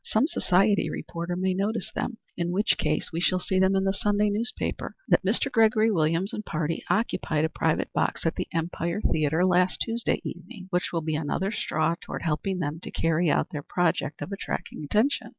"Some society reporter may notice them; in which case we shall see in the Sunday newspaper that Mr. Gregory Williams and party occupied a private box at the Empire Theatre last Tuesday evening, which will be another straw toward helping them to carry out their project of attracting attention.